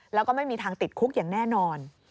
แล้วก็ไม่มีทางติดคุกอย่างแน่นอน